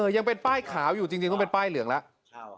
ยังเป็นป้ายขาวอยู่จริงต้องเป็นป้ายเหลืองแล้ว